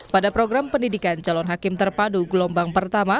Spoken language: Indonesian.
pada program pendidikan calon hakim terpadu gelombang pertama